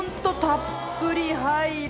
たっぷり入る。